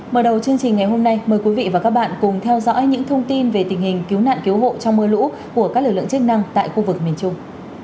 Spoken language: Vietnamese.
mở đầu chương trình ngày hôm nay mời quý vị và các bạn cùng theo dõi những thông tin về tình hình cứu nạn cứu hộ trong mưa lũ của các lực lượng chức năng tại khu vực miền trung